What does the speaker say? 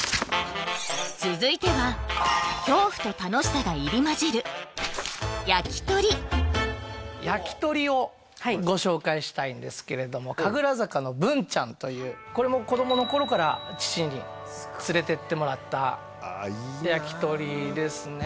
続いては恐怖と楽しさが入り交じる焼き鳥焼き鳥をご紹介したいんですけれども神楽坂の文ちゃんというこれも子供の頃から父に連れてってもらったああいいなあ焼き鳥ですね